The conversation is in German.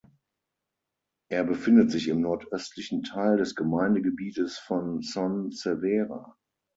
Er befindet sich im nordöstlichen Teil des Gemeindegebietes von Son Servera.